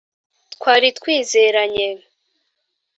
twari twizeranye